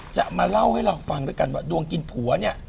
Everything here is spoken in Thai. จะมาเล่าให้เราฟังด้วยกันว่าดวงกินผัวเนี่ย